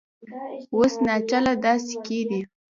اوس ناچله دا سکې دي